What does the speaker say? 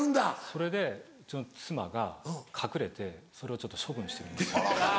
それでうちの妻が隠れてそれを処分してるんですよ。